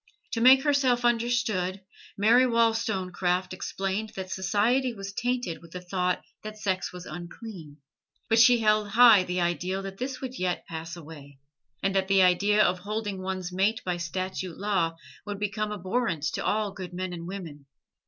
To make herself understood. Mary Wollstonecraft explained that society was tainted with the thought that sex was unclean; but she held high the ideal that this would yet pass away, and that the idea of holding one's mate by statute law would become abhorrent to all good men and women.